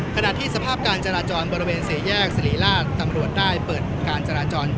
ขณะที่สภาพการจารจรบริเวณสี่แยกสรีราช